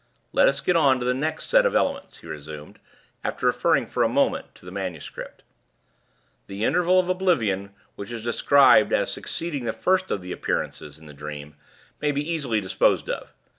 Let us get on to the next set of events," he resumed, after referring for a moment to the manuscript. "The interval of oblivion which is described as succeeding the first of the appearances in the dream may be easily disposed of.